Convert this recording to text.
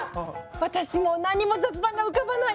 私もう何も雑談が浮かばない。